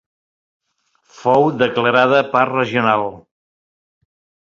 Fou declarada parc regional.